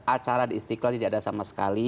acara di istiqlal tidak ada sama sekali